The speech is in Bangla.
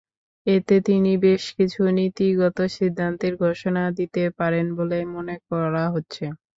এতে তিনি বেশকিছু নীতিগত সিদ্ধান্তের ঘোষণা দিতে পারেন বলে মনে করা হচ্ছে।